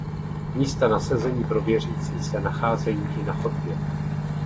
Místa na sezení pro věřící se nacházejí i na chodbě.